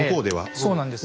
そうなんです。